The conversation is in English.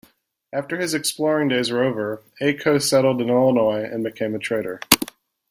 After his exploring days were over, Aco settled in Illinois and became a trader.